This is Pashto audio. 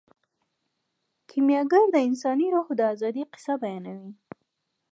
کیمیاګر د انساني روح د ازادۍ کیسه بیانوي.